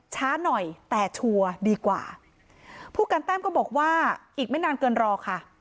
ช้าหน่อยแต่ชัวร์ดีกว่าผู้การแต้มก็บอกว่าอีกไม่นานเกินรอค่ะ